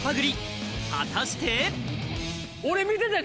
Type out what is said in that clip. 果たして？